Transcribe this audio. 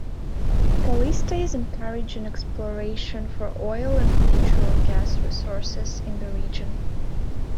Calista is encouraging exploration for oil and natural gas resources in the region.